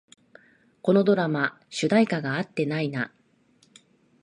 このドラマ、主題歌が合ってないな